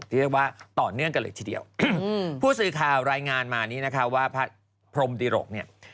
เรียกว่าต่อเนื่องกันเลยทีเดียวผู้สื่อข่าวรายงานมานี้นะคะว่าพระพรมดิรกเนี่ย